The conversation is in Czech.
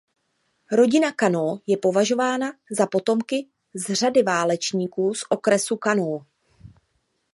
Rodina Kanó je považována za potomky z řady válečníků z okresu Kanó.